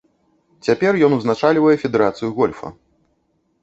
Цяпер ён узначальвае федэрацыю гольфа.